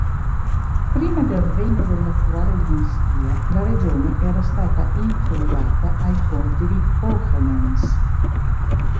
Prima del regno dell'attuale dinastia, la regione era stata infeudata ai Conti di Hohenems.